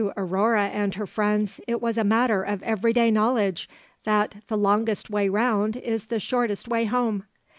To Aurore and her friends it was a matter of everyday knowledge that 'the longest way round is the shortest way home.'